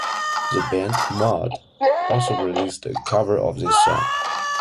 The band Mud also released a cover of this song.